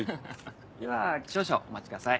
では少々お待ちください。